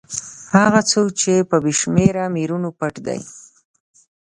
هغه څوک چې په بې شمېره لمرونو پټ دی.